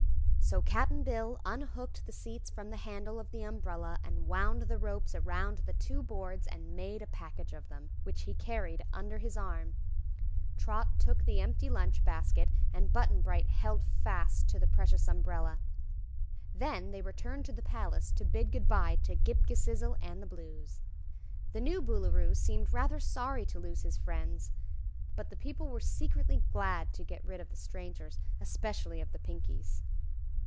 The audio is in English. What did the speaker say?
So Cap'n Bill unhooked the seats from the handle of the umbrella and wound the ropes around the two boards and made a package of them, which he carried under his arm. Trot took the empty lunch basket and Button Bright held fast to the precious umbrella. Then they returned to the palace to bid good bye to Ghip Ghisizzle and the Blues. The new Boolooroo seemed rather sorry to lose his friends, but the people were secretly glad to get rid of the strangers, especially of the Pinkies.